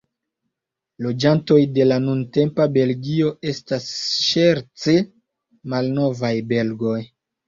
Loĝantoj de la nuntempa Belgio estas ŝerce "malnovaj belgoj".